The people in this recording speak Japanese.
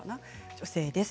女性です。